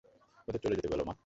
ওদের চলে যেতে বল, মা।